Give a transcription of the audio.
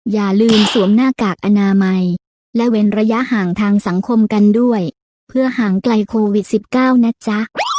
อย่าลืมสวมหน้ากากอนามัยและเว้นระยะห่างทางสังคมกันด้วยเพื่อห่างไกลโควิด๑๙นะจ๊ะ